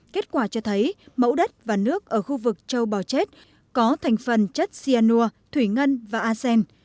kết quả cho thấy mẫu đất và nước ở khu vực châu bò chết có thành phần chất cyanur thủy ngân và asem